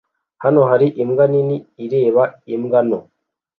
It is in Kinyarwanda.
Hano hari imbwa nini ireba imbwa nto